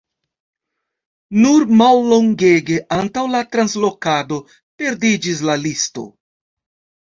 Nur mallongege antaŭ la translokado perdiĝis la listo.